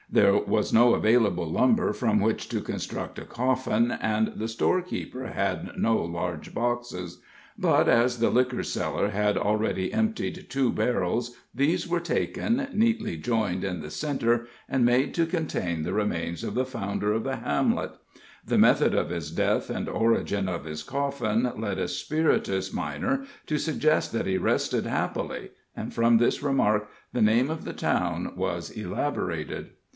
There was no available lumber from which to construct a coffin, and the storekeeper had no large boxes; but as the liquor seller had already emptied two barrels, these were taken, neatly joined in the centre, and made to contain the remains of the founder of the hamlet. The method of his death and origin of his coffin led a spirituous miner to suggest that he rested happily, and from this remark the name of the town was elaborated.